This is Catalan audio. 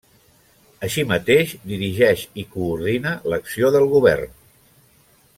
Així mateix, dirigeix i coordina l'acció del Govern.